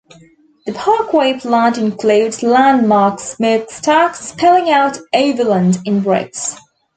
The Parkway plant included landmark smokestacks spelling out "Overland" in bricks.